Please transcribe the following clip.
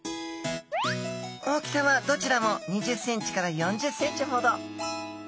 大きさはどちらも２０センチから４０センチほど。